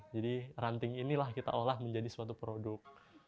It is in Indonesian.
jadi ranting inilah kita olah menjadi suatu produk